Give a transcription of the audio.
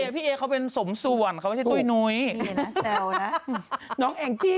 พี่เอไม่ได้ดูอย่างนี้